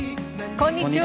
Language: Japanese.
こんにちは。